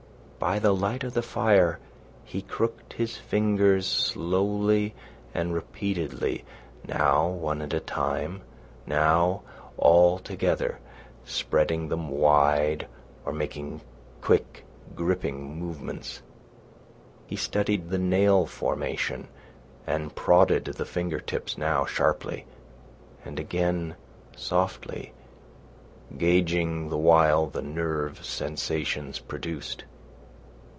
By the light of the fire he crooked his fingers slowly and repeatedly now one at a time, now all together, spreading them wide or making quick gripping movements. He studied the nail formation, and prodded the finger tips, now sharply, and again softly, gauging the while the nerve sensations produced.